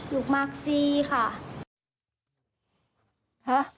ลูกมากซี่ค่ะ